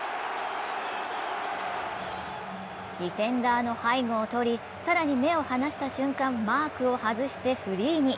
ディフェンダーの背後をとり、更に、目を離した瞬間、マークを外してフリーに。